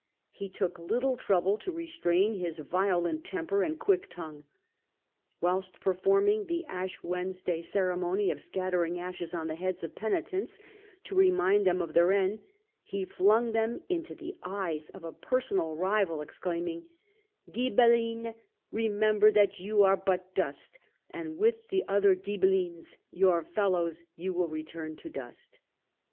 He took little trouble to restrain his violent temper and quick tongue. Whilst performing the Ash Wednesday ceremony of scattering ashes on the heads of penitents to remind them of their end, he flung them into the eyes of a personal rival, exclaiming :" Ghibelin, remember that you are but dust, and that with the other GhibeHns your fellows you will return to dust